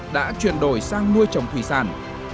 đã chuyển đổi sang nuôi trồng thủy sản